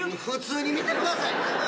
普通に見てください。